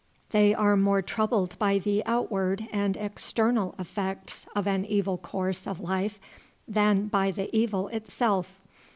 They are more troubled by the outward and external effects of an evil course of life than by the evil itself.